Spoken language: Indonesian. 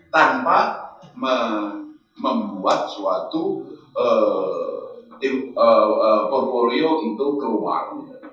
tanpa membuat suatu portfolio untuk keluar